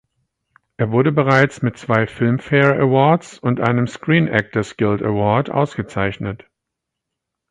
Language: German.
Er wurde bereits mit zwei Filmfare Awards und einem Screen Actors Guild Award ausgezeichnet.